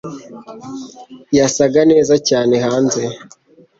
yasaga neza cyane hanze